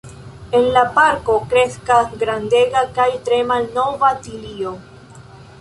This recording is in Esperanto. En la parko kreskas grandega kaj tre malnova tilio.